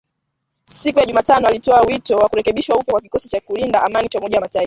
Siku ya Jumatano alitoa wito wa kurekebishwa upya kwa kikosi cha kulinda amani cha Umoja wa Mataifa.